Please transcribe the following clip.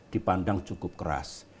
dipandang cukup keras